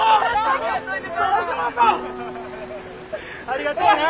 ありがとうな。